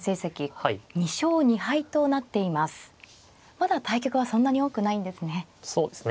まだ対局はそんなに多くないんですね。